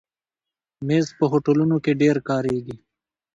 مېز په هوټلونو کې ډېر کارېږي.